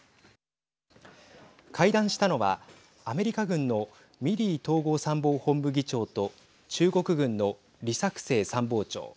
会談したのはアメリカ軍のミリー統合参謀本部議長と中国軍の李作成参謀長。